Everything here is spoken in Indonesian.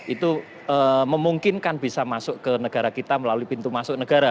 itu memungkinkan bisa masuk ke negara kita melalui pintu masuk negara